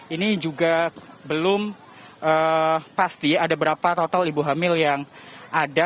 ini juga belum pasti ada berapa total ibu hamil yang ada